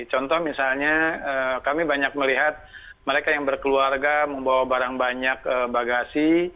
contoh misalnya kami banyak melihat mereka yang berkeluarga membawa barang banyak bagasi